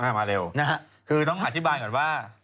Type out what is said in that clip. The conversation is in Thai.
อ้าวมาเร็วคือต้องหาที่บ้านก่อนว่า